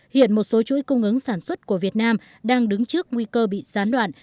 hiện một số chuỗi cung ứng sản xuất của việt nam đang đứng trước nguy cơ bị gián đoạn